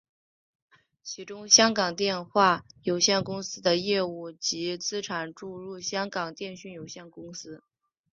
其中香港电话有限公司的业务及资产注入香港电讯有限公司。